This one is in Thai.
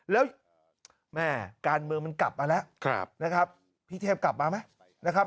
แล้วแม่การเมืองมันกลับมาแล้วนะครับพี่เทพกลับมาไหมนะครับ